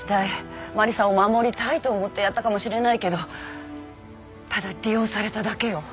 「マリさんを守りたい」と思ってやったかもしれないけどただ利用されただけよ。